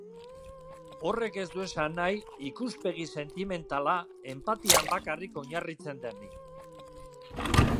Horrek ez du esan nahi ikuspegi sentimentala enpatian bakarrik oinarritzen denik.